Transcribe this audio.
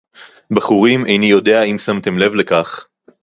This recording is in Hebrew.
בַּחוּרִים, אֵינִי יוֹדֵעַ אִם שַׂמְתֶּם לֵב לְכָךְ.